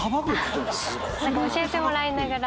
教えてもらいながら。